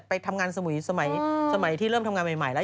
ไปทำงานสมุยสมัยที่เริ่มทำงานใหม่แล้ว